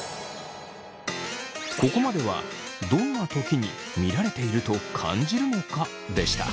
ここまではどんなときに見られていると感じるのか？でした。